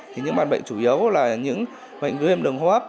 thì những bàn bệnh chủ yếu là những bệnh viêm đường hô hấp